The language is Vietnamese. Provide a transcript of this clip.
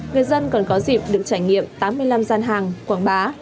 người dân còn có dịp được trải nghiệm tám mươi năm gian hàng quảng bá